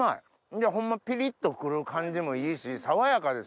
でホンマピリっと来る感じもいいし爽やかですよ。